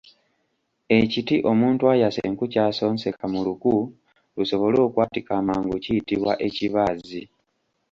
Ekiti omuntu ayasa enku ky’asonseka mu luku lusobole okwatika amangu kiyitibwa Ekibaazi.